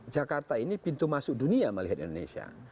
jakarta ini pintu masuk dunia melihat indonesia